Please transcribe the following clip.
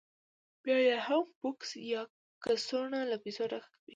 بیا یې هم بکس یا کڅوړه له پیسو ډکه وي